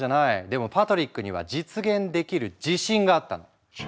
でもパトリックには実現できる自信があったの。